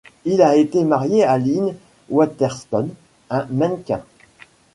Il a été marié à Lynn Waterston, un mannequin.